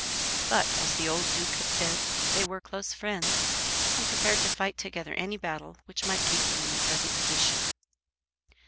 But, as the old Duke had said, they were close friends, and prepared to fight together any battle which might keep them in their present position.